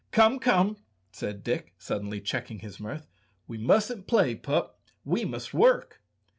"Come, come," said Dick, suddenly checking his mirth, "we mustn't play, pup, we must work."